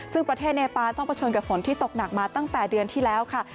ซึ่งประเทศเนปานต้องประชนกับฝนที่ตกหนักมาตั้งแต่เดือนที่แล้วค่ะ